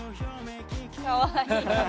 かわいい。